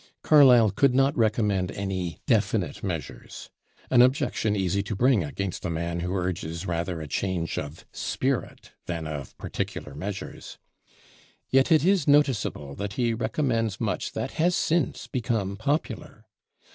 Carlyle could not recommend any definite measures; an objection easy to bring against a man who urges rather a change of spirit than of particular measures. Yet it is noticeable that he recommends much that has since become popular.